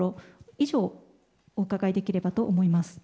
以上をお伺いできればと思います。